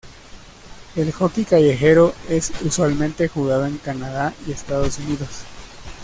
El hockey callejero es usualmente jugado en Canadá y Estados Unidos.